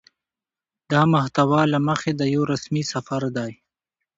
د محتوا له مخې دا يو رسمي سفر دى